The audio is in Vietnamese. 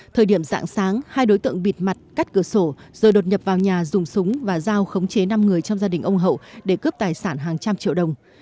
thời điểm dạng sáng hai đối tượng bịt mặt cắt cửa sổ rồi đột nhập vào nhà dùng súng và dao khống chế năm người trong gia đình ông hậu để cướp tài sản hàng trăm triệu đồng